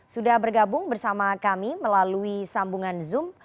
sudah bergabung bersama kami melalui sambungan zoom